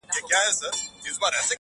درد چي دی یې احساسوي